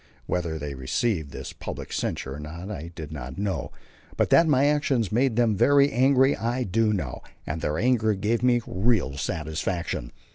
Whether they received this public censure or not I did not know, but that my action made them very angry I do know, and their anger gave me real satisfaction.